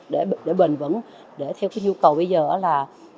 để bền vững để theo cái nhu cầu bây giờ là